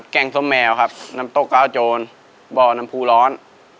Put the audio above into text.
แกล้งส้มแมวครับน้ำโต๊ะกาวโจรบ่อน้ำภูร้อน